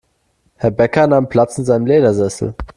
Herr Bäcker nahm Platz in seinem Ledersessel.